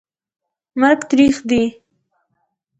مرګ تریخ دي